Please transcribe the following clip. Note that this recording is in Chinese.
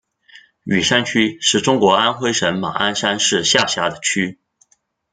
雨山区是中国安徽省马鞍山市下辖的区。